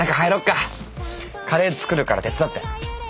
カレー作るから手伝って。